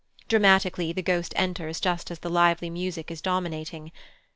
Dramatically the Ghost enters just as the lively music is dominating.